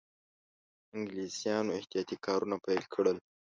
انګلیسیانو احتیاطي کارونه پیل کړل.